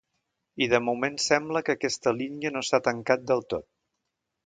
I de moment sembla que aquesta línia no s’ha tancat del tot.